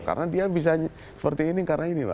karena dia bisa seperti ini karena ini pak